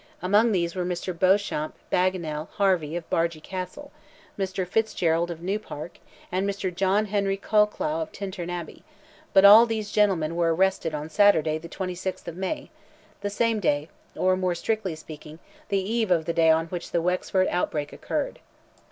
Among these were Mr. Beauchamp Bagenal Harvey of Bargy Castle, Mr. Fitzgerald of Newpark, and Mr. John Henry Colclough of Tintern Abbey; but all these gentlemen were arrested on Saturday, the 26th of May—the same day, or more strictly speaking, the eve of the day on which the Wexford outbreak occurred.